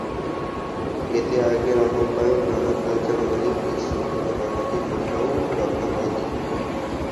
এতে আগের আহ্বায়ক রানা প্লাজার মালিক সোহেল রানাকে কোথাও রাখা হয়নি।